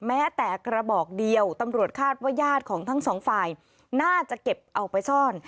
แม้แต่กระบอกเดียวตำรวจคาดว่าญาติของทั้งสองฝ่ายน่าจะเก็บเอาไปซ่อน